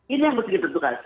ini yang mesti dipertukarkan